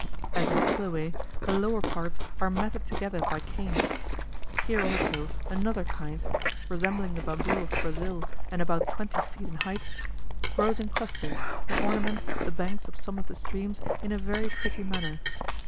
As in Chiloe, the lower parts are matted together by canes: here also another kind (resembling the bamboo of Brazil and about twenty feet in height) grows in clusters, and ornaments the banks of some of the streams in a very pretty manner.